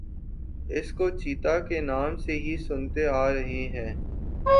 اس کو چیتا کے نام سے ہی سنتے آرہے ہیں